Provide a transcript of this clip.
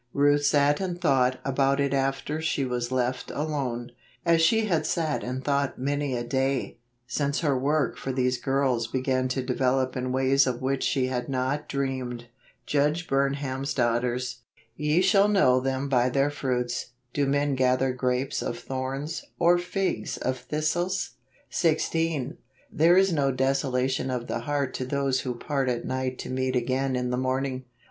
Ruth sat and thought about it after she was left alone; as she had sat and thought many a day, since her work for these girls began to develop in ways of which she had not dreamed. Judge Burnham's Daughters. " Ye shall know them by their fruits. Do men gather grapes of thorns , or figs of thistles ?" 16. "There is no desolation of heart to those who part at night to meet again in the morning."